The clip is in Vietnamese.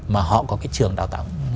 mà họ có cái trường đào tạo